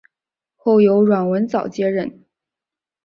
后由阮文藻接任。